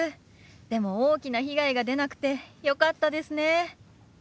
でも大きな被害が出なくてよかったですね。